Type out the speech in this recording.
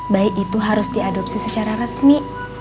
baik itu harus diadopsi secara resmi